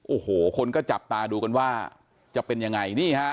โอ้โหคนก็จับตาดูกันว่าจะเป็นยังไงนี่ฮะ